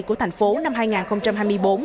của tp hcm năm hai nghìn hai mươi bốn